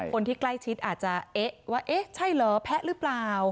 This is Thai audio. คนที่ใกล้ชิดอาจจะเอ๊ะว่าเอ๊ะใช่เหรอแพะหรือเปล่า